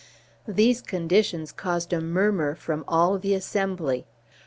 These conditions caused a murmur from all the assembly.